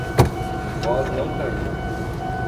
Voz não caiu